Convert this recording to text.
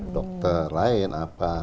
dokter lain apa